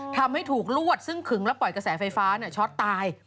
ทำให้ถูกลวดซึ่งขึงและปล่อยกระแสไฟฟ้าช็อตตาย